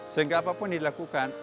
sehingga apapun dilakukan